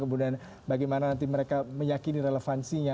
kemudian bagaimana nanti mereka meyakini relevansinya